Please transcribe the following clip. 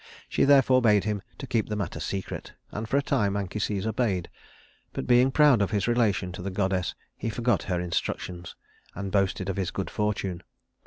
She therefore bade him to keep the matter secret, and for a time Anchises obeyed; but being proud of his relation to the goddess he forgot her instructions, and boasted of his good fortune.